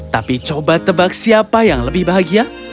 tapi coba tebak siapa yang lebih bahagia